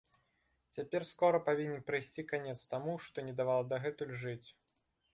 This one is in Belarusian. Цяпер скора павінен прыйсці канец таму, што не давала дагэтуль жыць.